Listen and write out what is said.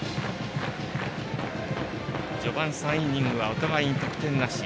序盤３イニングはお互いに得点なし。